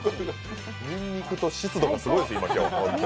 にんにくと湿度がすごいです、今日、ホントに。